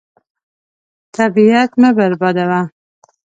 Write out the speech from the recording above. طبیعت مه بربادوه.